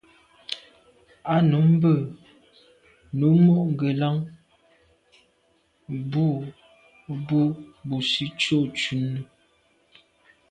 A num mbe num mo’ ngelan mbù bo busi tsho shune.